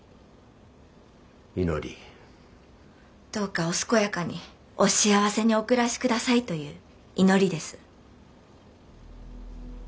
「どうかお健やかにお幸せにお暮らし下さい」という祈りです。